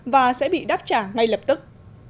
và sẽ bị đáp trả ngay lập tức